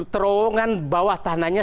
terowongan bawah tanahnya